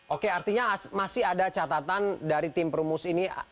oke artinya masih ada catatan dari tim perumus ini